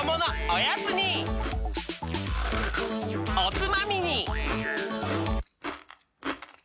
おつまみに！